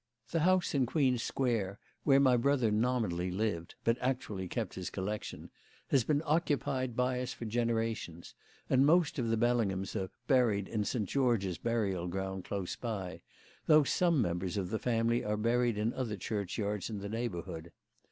The house in Queen Square where my brother nominally lived, but actually kept his collection, has been occupied by us for generations, and most of the Bellinghams are buried in St. George's burial ground close by, though some members of the family are buried in other churchyards in the neighbourhood.